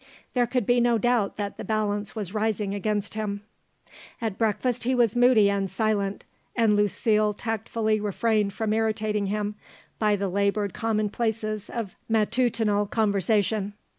There could be no doubt that the balance was rising against him. At breakfast he was moody and silent, and Lucile tactfully refrained from irritating him by the laboured commonplaces of matutinal conversation.